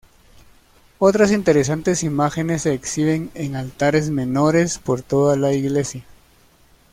Otras interesantes imágenes se exhiben en altares menores por toda la iglesia.